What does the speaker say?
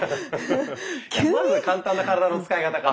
まず簡単な体の使い方から。